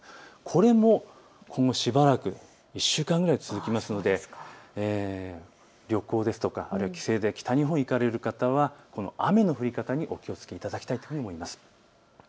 これも今後、しばらく１週間くらい続くので旅行や帰省で北日本に行かれる方は雨の降り方にお気をつけいただきたいと思います。